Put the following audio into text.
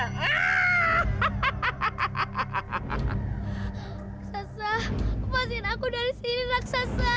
raksasa lepasin aku dari sini raksasa